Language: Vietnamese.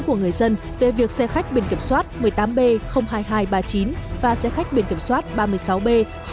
của người dân về việc xe khách biển kiểm soát một mươi tám b hai nghìn hai trăm ba mươi chín và xe khách biển kiểm soát ba mươi sáu b một nghìn bốn trăm năm mươi sáu